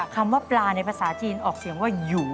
คำว่าปลาในภาษาจีนออกเสียงว่าหยู